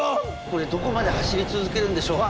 これどこまで走り続けるんでしょう？